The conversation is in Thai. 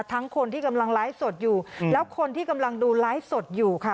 คนที่กำลังไลฟ์สดอยู่แล้วคนที่กำลังดูไลฟ์สดอยู่ค่ะ